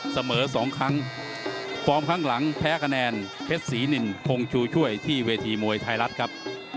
สองครั้งฟอร์มข้างหลังแพ้คะแนนเพชรศรีนินทงชูช่วยที่เวทีมวยไทยรัฐครับ